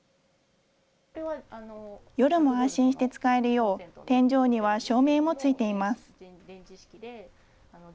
夜も安心して使えるよう、天井には照明もついています。